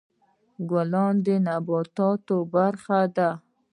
ګلان د نباتاتو برخه ده.